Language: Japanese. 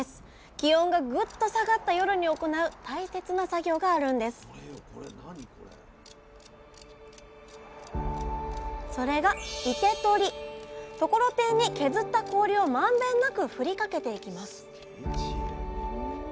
気温がぐっと下がった夜に行う大切な作業があるんですそれがところてんに削った氷をまんべんなくふりかけていきます